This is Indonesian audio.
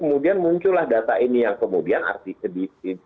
kemudian muncullah data ini yang kemudian arti sedikit